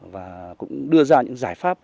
và cũng đưa ra những giải pháp